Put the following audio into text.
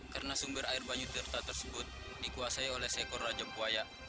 karena sumber air banyutirta tersebut dikuasai oleh seekor raja buaya